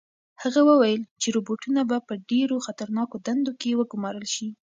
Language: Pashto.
هغه وویل چې روبوټونه به په ډېرو خطرناکو دندو کې وګمارل شي.